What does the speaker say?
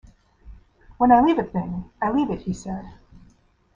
"When I leave a thing, I leave it," he said.